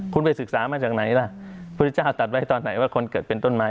คุณไปศึกษามาจากไหนล่ะพุทธเจ้าตัดไว้ตอนไหนว่าคนเกิดเป็นต้นไม้